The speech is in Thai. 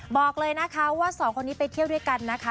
บอกเลยนะคะว่าสองคนนี้ไปเที่ยวด้วยกันนะคะ